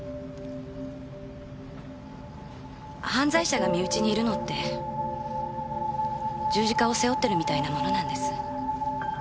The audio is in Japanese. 犯罪者が身内にいるのって十字架を背負ってるみたいなものなんです。